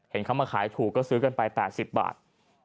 เขามาขายถูกก็ซื้อกันไป๘๐บาท